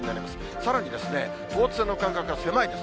さらに等圧線の間隔が狭いです。